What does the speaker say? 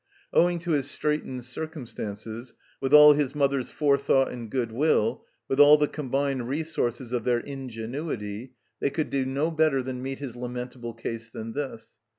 Owing to his straitened cir cumstances, with all his mother's forethought and good will, with all the combined resources of their in genuity, they could do no better to meet his lament able case than this.